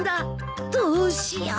どうしよう。